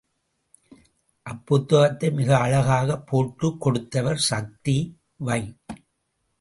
அப்புத்தகத்தை மிகஅழகாகப் போட்டுக் கொடுத்தவர் சக்தி வை.